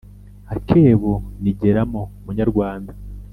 Akebo ni geramo munyarwanda